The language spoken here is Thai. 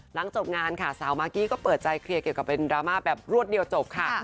หลังจบงานค่ะสาวมากกี้ก็เปิดใจเคลียร์เกี่ยวกับเป็นดราม่าแบบรวดเดียวจบค่ะ